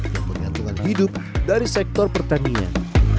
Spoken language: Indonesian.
yang bergantungan hidup dari sektor pertanian